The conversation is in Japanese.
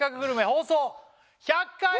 放送１００回！